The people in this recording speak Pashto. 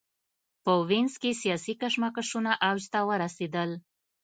په وینز کې سیاسي کشمکشونه اوج ته ورسېدل.